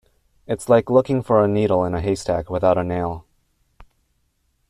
It's like looking for a needle in a haystack without a nail.